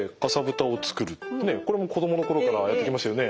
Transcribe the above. ねえこれも子供の頃からやってきましたよね。